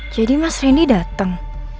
jadi mas randy dateng